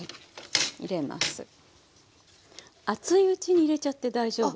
熱いうちに入れちゃって大丈夫よ。